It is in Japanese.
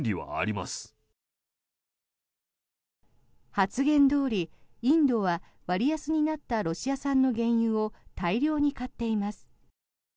発言どおり、インドは割安になったロシア産の原油を大量に買っています。